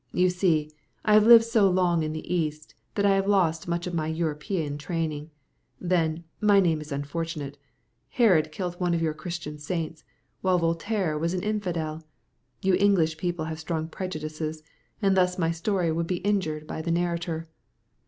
You see, I have lived so long in the East that I have lost much of my European training. Then, my name is unfortunate. Herod killed one of your Christian saints, while Voltaire was an infidel. You English people have strong prejudices, and thus my story would be injured by the narrator."